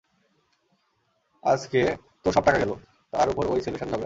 আজকে তোর সব টাকা গেলো, তার উপর ওই ছেলের সাথে ঝগড়া।